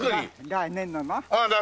来年のな。